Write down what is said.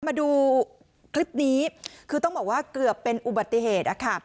มาดูคลิปนี้คือต้องบอกว่าเกือบเป็นอุบัติเหตุ